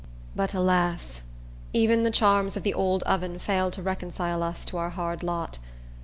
But, alas! Even the charms of the old oven failed to reconcile us to our hard lot.